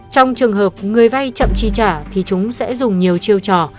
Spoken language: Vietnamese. trong trường hợp người vay chậm chi trả thì chúng sẽ dùng nhiều chiêu trò